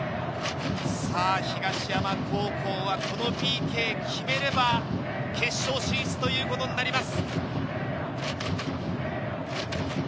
東山高校は、このＰＫ決めれば決勝進出ということになります。